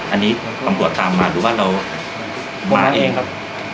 อันนี้ตำรวจตามมาหรือว่าเรามาเองครับ